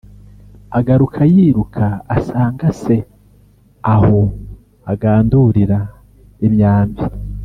Agaruka yiruka asanga se aho agandurira imyambi